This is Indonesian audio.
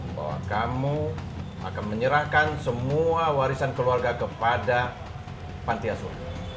bahwa kamu akan menyerahkan semua warisan keluarga kepada pantiasur